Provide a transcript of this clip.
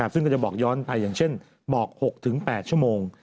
ซึ่งก็จะบอกย้อนไปอย่างเช่นหมอก๖๘ชั่วโมง